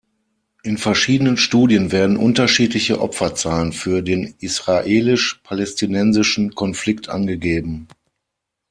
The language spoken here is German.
In verschiedenen Studien werden unterschiedliche Opferzahlen für den israelisch-palästinensischen Konflikt angegeben.